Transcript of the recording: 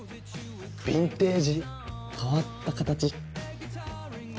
ヴィンテージ変わった形。